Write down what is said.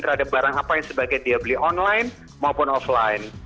terhadap barang apa yang sebagai dia beli online maupun offline